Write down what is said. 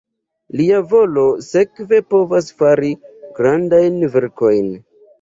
Lia volo sekve povas fari grandajn verkojn.